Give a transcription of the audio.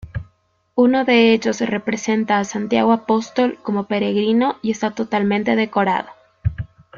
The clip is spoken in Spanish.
Uno de ellos representa a Santiago Apóstol como peregrino y está totalmente decorado.